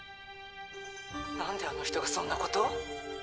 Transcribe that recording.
何であの人がそんなこと？